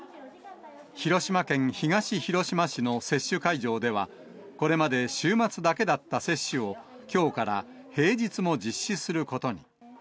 広島県東広島市の接種会場では、これまで週末だけだった接種を、きょうから平日も実施することに。